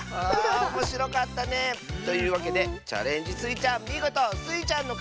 おもしろかったね！というわけで「チャレンジスイちゃん」みごとスイちゃんのかちでした！